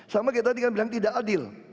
sama kayak tadi kan bilang tidak adil